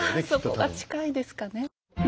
あそこが近いですかね。